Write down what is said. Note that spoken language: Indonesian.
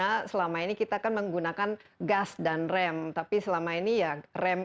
juga harus jelas ya karena ini karena ini kita akan menggunakan gas dan rem tapi selama ini yang rem